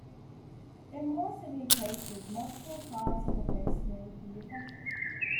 In more severe cases, multiple parts of the face may be affected.